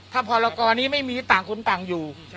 ถ้าพรกรนี้ไม่มีต่างคนต่างอยู่